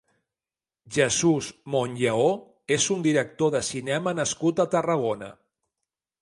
Jesús Monllaó és un director de cinema nascut a Tarragona.